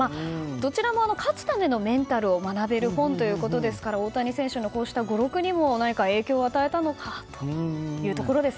どちらも勝つためのメンタルを学べる本ということですから大谷選手の語録にも何か影響を与えたのかというところです。